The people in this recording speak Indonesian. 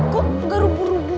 kok gak rubuh rubuh